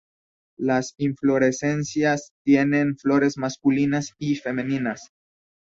Las inflorescencias tienen flores masculinas y femeninas.